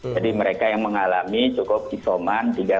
jadi mereka yang mengalami cukup isoman tiga empat hari